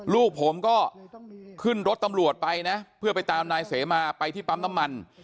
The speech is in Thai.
ลูกผมก็ขึ้นรถตำรวจไปนะเพื่อไปตามนายเสมาไปที่ปั๊มน้ำมัน